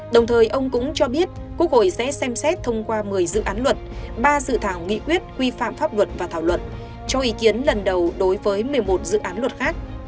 đồng thời ông cũng cho biết quốc hội sẽ xem xét thông qua một mươi dự án luật ba dự thảo nghị quyết quy phạm pháp luật và thảo luận cho ý kiến lần đầu đối với một mươi một dự án luật khác